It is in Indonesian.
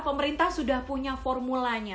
pemerintah sudah punya formulanya